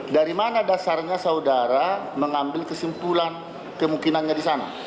dari mana dasarnya saudara mengambil kesimpulan kemungkinannya di sana